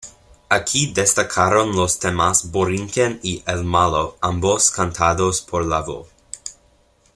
Aquí destacaron los temas "Borinquen" y "El Malo", ambos cantados por Lavoe.